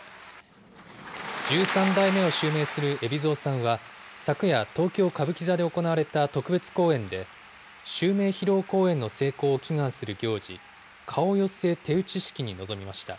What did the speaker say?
十三代目を襲名する海老蔵さんは、昨夜、東京・歌舞伎座で行われた特別公演で、襲名披露公演の成功を祈願する行事、顔寄せ手打式に臨みました。